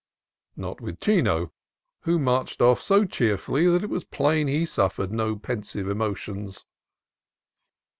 Not so with Chino, who marched off so cheerfully that it was plain he suffered no pensive emotions.